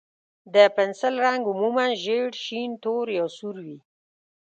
د پنسل رنګ عموماً ژېړ، شین، تور، یا سور وي.